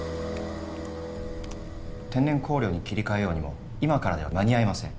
天然香料に切り替えようにも今からでは間に合いません。